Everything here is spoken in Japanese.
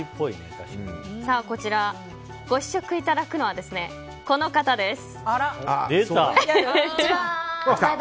こちら、ご試食いただくのはこの方です。